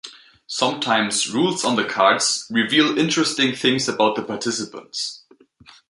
Sometimes, rules on the cards "reveal interesting things about the participants".